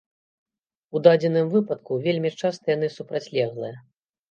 У дадзеным выпадку вельмі часта яны супрацьлеглыя.